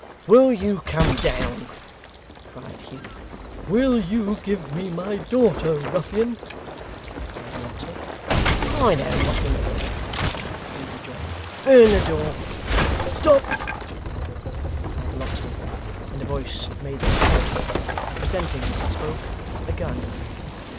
'Will you come down?' cried Hugh. 'Will you give me my daughter, ruffian?' cried the locksmith. 'I know nothing of her,' Hugh rejoined. 'Burn the door!' 'Stop!' cried the locksmith, in a voice that made them falter presenting, as he spoke, a gun.